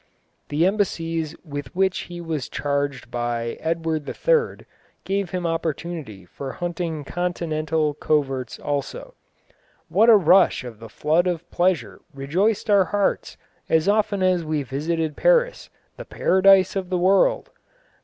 The embassies with which he was charged by Edward III. gave him opportunity for hunting continental coverts also. "What a rush of the flood of pleasure rejoiced our hearts as often as we visited Paris, the paradise of the world!...